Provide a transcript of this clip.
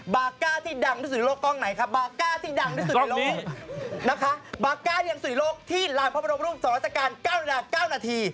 บาก้าที่ดังที่สุดในโลกกล้องไหนคะบาก้าที่ดังที่สุดในโลกบาก้าที่ดังที่สุดในโลกที่ลานพระบรมรูปสองราชการ๙นาที